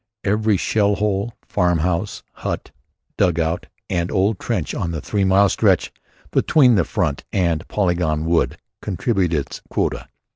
Every shell hole, farmhouse, hut, dugout and old trench on the three mile stretch between the Front and Polygon Wood contributed its quota.